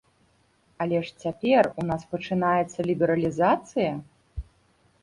Але ж цяпер у нас пачынаецца лібералізацыя?